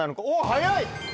早い。